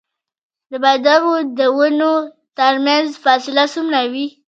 د بادامو د ونو ترمنځ فاصله څومره وي؟